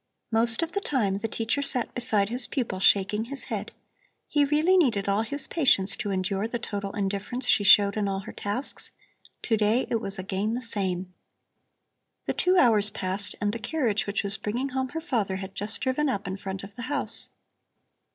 Most of the time the teacher sat beside his pupil shaking his head. He really needed all his patience to endure the total indifference she showed in all her tasks. To day it was again the same. The two hours passed, and the carriage which was bringing home her father had just driven up in front of the house.